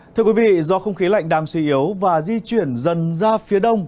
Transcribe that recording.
thưa quý vị do không khí lạnh đang suy yếu và di chuyển dần ra phía đông